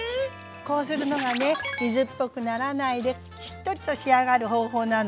こうするのがね水っぽくならないでしっとりと仕上がる方法なの。